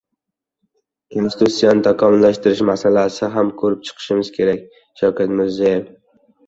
Konstitusiyani takomillashtirish masalasini ham ko‘rib chiqishimiz kerak-Shavkat Mirziyoyev